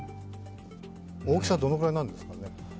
大きさはどのくらいなんですかね？